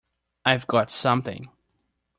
I've got something!